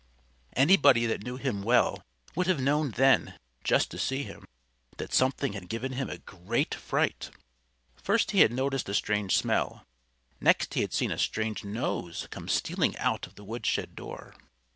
Anybody that knew him well would have known then just to see him that something had given him a great fright. First he had noticed a strange smell. Next he had seen a strange nose come stealing out of the woodshed door.